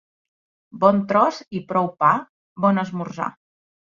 Bon tros i prou pa, bon esmorzar.